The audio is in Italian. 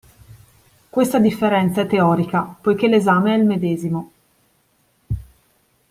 Questa differenza è teorica poichè l'esame è il medesimo.